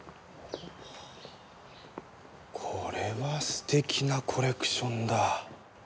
これは素敵なコレクションだ。